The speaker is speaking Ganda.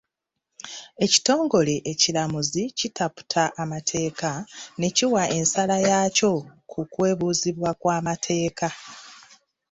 Ekitongole ekiramuzi kitaputa amateeka ne kiwa ensala yaakyo ku kwebuuzibwa kw'amateeka.